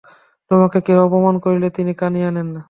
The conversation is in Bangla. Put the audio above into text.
তোমাকে কেহ অপমান করিলে তিনি কানেই আনেন না।